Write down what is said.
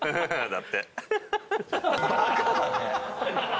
だって。